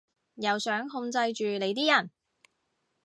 又想控制住你啲人